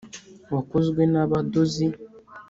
wakozwe n'abadozi